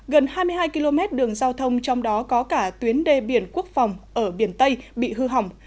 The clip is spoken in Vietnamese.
gần hai mươi hai km đường giao thông trong đó có cả tuyến đê biển quốc phòng ở biển tây bị hư hỏng